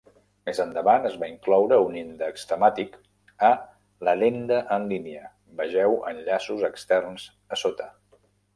Més endavant es va incloure un índex temàtic a l'addenda en línia: vegeu "Enllaços externs" a sota.